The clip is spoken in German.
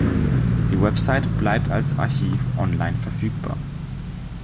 Die Webseite bleibt als Archiv online verfügbar.